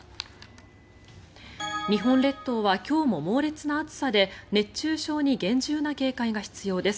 日本列島は今日も猛烈な暑さで熱中症に厳重な警戒が必要です。